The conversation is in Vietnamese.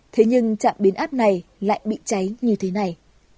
thế nhưng trạm biến áp này lại bị cháy như thế này